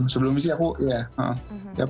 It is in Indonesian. sebelumnya sih aku ya